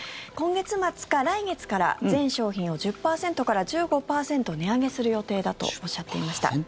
今月末か来月から全商品を１０％から１５％値上げする予定だとおっしゃっていました。